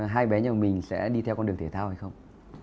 hai bé nhà mình sẽ đi theo con đường thể thao hay không